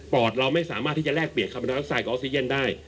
ปอดเราไม่สามารถที่จะแลกเปลี่ยนคาร์โมนไดออกไซด์กับออกซีเย็นท์ได้